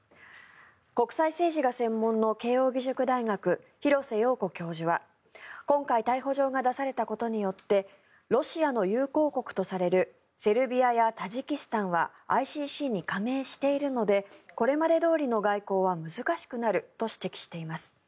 国際政治が専門の慶應義塾大学廣瀬陽子教授は今回逮捕状が出されたことによってロシアの友好国とされるセルビアやタジキスタンはＩＣＣに加盟しているのでこれまでどおりの外交は難しくなると指摘しています。